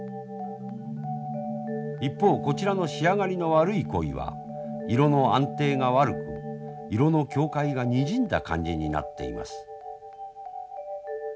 一方こちらの仕上がりの悪い鯉は色の安定が悪く色の境界がにじんだ感じになっています。